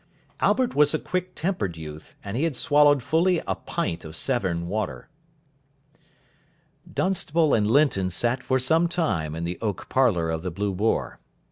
Albert was a quick tempered youth, and he had swallowed fully a pint of Severn water. Dunstable and Linton sat for some time in the oak parlour of the "Blue Boar".